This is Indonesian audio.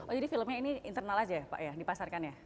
oh jadi filmnya ini internal aja ya pak ya dipasarkan ya